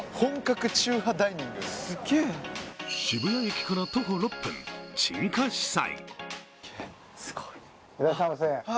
渋谷駅から徒歩６分陳家私菜。